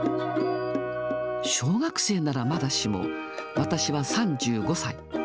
小学生ならまだしも、私は３５歳。